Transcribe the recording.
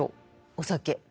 お酒。